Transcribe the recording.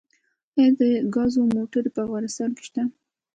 آیا د ګازو موټرې په افغانستان کې شته؟